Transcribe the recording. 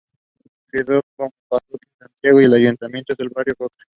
Quedó como parroquia Santiago y un Ayuntamiento en el Barrio de Coca.